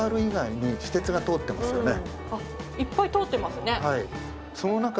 いっぱい通ってますね。